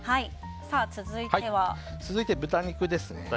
続いて豚肉ですね。